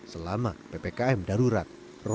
selama ppkm darurat